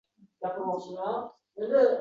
hayratlari bosiladi sut tishi ogʼrigʼiday –